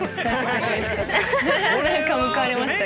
何か報われました